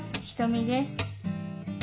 ひとみです。